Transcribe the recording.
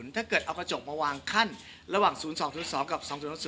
ถ้าเกิดเอากระจกมาวางขั้นระหว่าง๐๒๐๒กับ๒๐๐